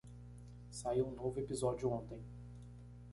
Saiu um novo episódio ontem.